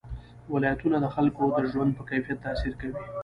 ولایتونه د خلکو د ژوند په کیفیت تاثیر کوي.